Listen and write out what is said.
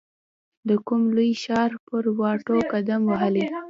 د کوم لوی ښار پر واټو قدم وهلی